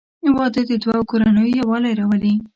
• واده د دوه کورنیو یووالی راولي.